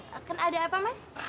ya kan ada apa mas